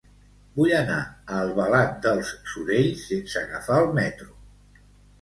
Vull anar a Albalat dels Sorells sense agafar el metro.